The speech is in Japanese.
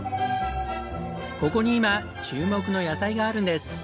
ここに今注目の野菜があるんです。